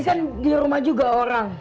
kan di rumah juga orang